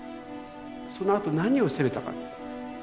そのあと何を責めたかと。